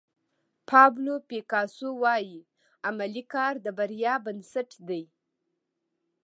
پابلو پیکاسو وایي عملي کار د بریا بنسټ دی.